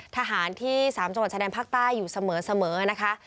ทหารที่๓จังหวัดชายแดนภาคใต้อยู่เสมอนะคะ